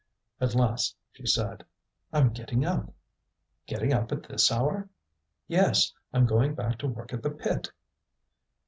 At last she said: "I'm getting up." "Getting up at this hour?" "Yes, I'm going back to work at the pit."